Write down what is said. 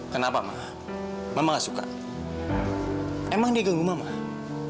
sempet bersuara terus ngigo ngigo gitu den